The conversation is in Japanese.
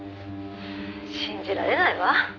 「信じられないわ」